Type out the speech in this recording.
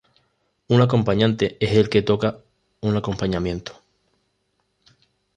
Un acompañante es el que toca un acompañamiento.